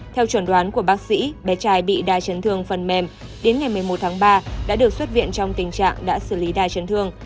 theo chuẩn đoán của bác sĩ bé trai bị đa chấn thương phần mềm đến ngày một mươi một tháng ba đã được xuất viện trong tình trạng đã xử lý đa chấn thương